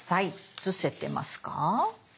写せてますか？